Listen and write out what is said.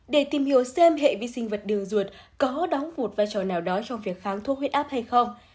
để tìm hiểu xem hệ vi sinh vật đường ruột có đóng một vai trò nào đó trong việc kháng thuốc huyết áp hay không